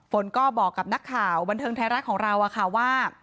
ฝนก็บอกกับนักข่าวบันเทิงไทยรัฐของเราว่า